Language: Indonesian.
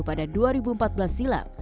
pada dua ribu empat belas silam